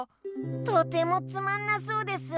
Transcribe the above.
とてもつまんなそうです。